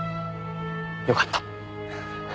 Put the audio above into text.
よかった。